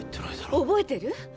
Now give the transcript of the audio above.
覚えてる？